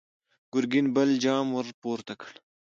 ګرګين بل جام ور پورته کړ!